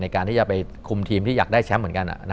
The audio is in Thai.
ในการที่จะไปคุมทีมที่อยากได้แชมป์เหมือนกัน